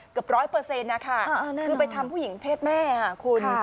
เกือบร้อยเปอร์เซ็นต์นะคะคือไปทำผู้หญิงเพศแม่ค่ะคุณ